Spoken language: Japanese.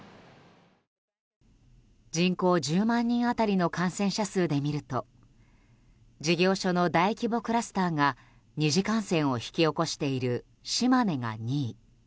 人口１０万人当たりの感染者数で見ると事業所の大規模クラスターが２次感染を引き起こしている島根が２位。